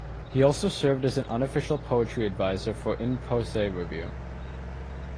He also served as an unofficial poetry advisor for "In Posse Review".